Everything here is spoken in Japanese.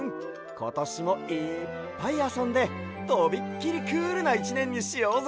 ことしもいっぱいあそんでとびっきりクールな１ねんにしようぜ！